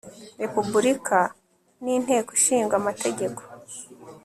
repubulika n inteko ishinga amategeko